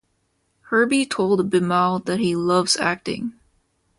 Herbie told Bimal that he loves acting.